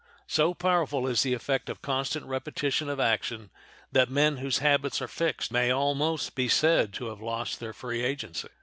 So powerful is the effect of constant repetition of action that men whose habits are fixed may almost be said to have lost their free agency.